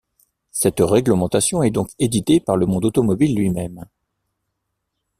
Cette règlementation est donc édité par le monde automobile lui-même.